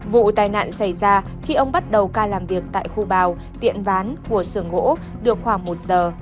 vụ tai nạn xảy ra khi ông bắt đầu ca làm việc tại khu bào tiệm ván của sưởng gỗ được khoảng một giờ